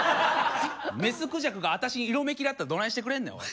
メスクジャクがあたしに色めきだったらどないしてくれんねんおい。